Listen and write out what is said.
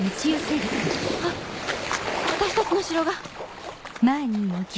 あっあたしたちの城が。